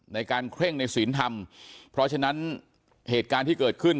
เคร่งในศีลธรรมเพราะฉะนั้นเหตุการณ์ที่เกิดขึ้น